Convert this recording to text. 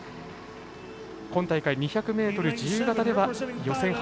今大会２００ｍ自由形では予選敗退。